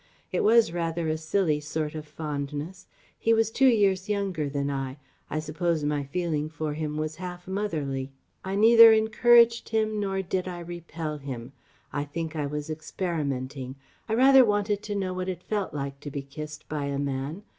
It was rather a silly sort of fondness. He was two years younger than I; I suppose my feeling for him was half motherly ... I neither encouraged him nor did I repel him. I think I was experimenting ... I rather wanted to know what it felt like to be kissed by a man.